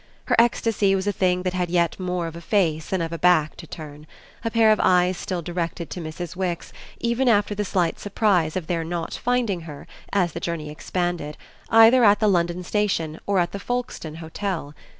Her ecstasy was a thing that had yet more of a face than of a back to turn, a pair of eyes still directed to Mrs. Wix even after the slight surprise of their not finding her, as the journey expanded, either at the London station or at the Folkestone hotel.